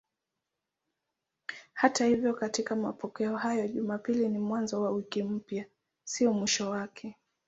Hata hivyo katika mapokeo hayo Jumapili ni mwanzo wa wiki mpya, si mwisho wake.